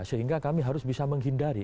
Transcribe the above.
sehingga kami harus bisa menghindari